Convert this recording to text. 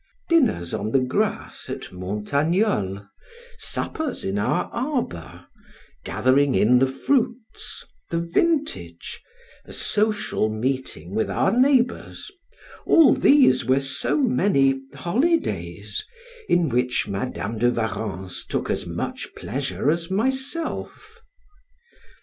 Dinners on the grass at Montagnole, suppers in our arbor, gathering in the fruits, the vintage, a social meeting with our neighbors; all these were so many holidays, in which Madam de Warrens took as much pleasure as myself.